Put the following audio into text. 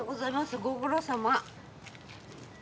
ご苦労さま。